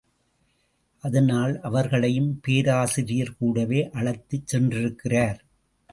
அதனால் அவர்களையும் பேராசிரியர் கூடவே அழைத்துச் சென்றிருக்கிறார்.